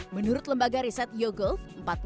menurut lembaga riset yogolf